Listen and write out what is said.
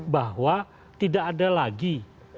bahwa tidak ada lagi